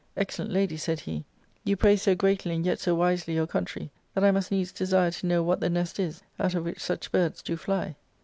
* Excellent lady,' said he, * you praise so greatly, and yet so wisely, your country, that I must needs desire to know what the nest is out of which such birds do fly.'